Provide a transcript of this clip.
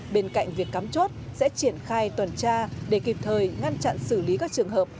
bên cạnh việc cắm chốt sẽ triển khai toàn tra để kịp thời ngăn chặn xử lý các trường hợp